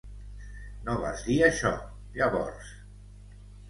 No vas dir això, llavors.